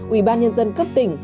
ubnd cấp tỉnh